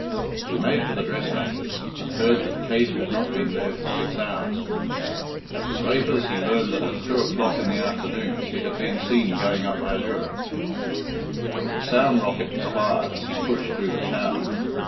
He made for the dressmaker's, and heard that Kate had not been there for six hours. At the draper's he learned that at two o'clock in the afternoon she had been seen going up Ballure. The sound rocket was fired as he pushed through the town.